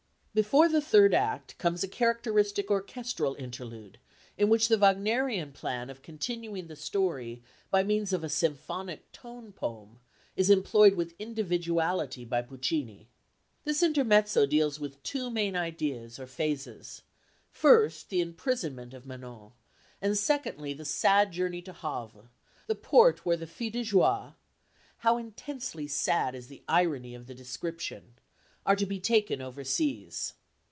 Before the third act comes a characteristic orchestral interlude, in which the Wagnerian plan of continuing the story by means of a symphonic tone poem is employed with individuality by Puccini. This intermezzo deals with two main ideas or phases, first the imprisonment of Manon, and secondly the sad journey to Havre, the port whence the filles de joie how intensely sad is the irony of the description! are to be taken over seas.